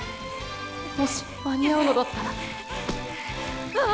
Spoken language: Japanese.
もし間に合うのだったらああ！